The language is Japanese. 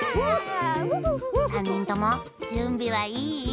さんにんともじゅんびはいい？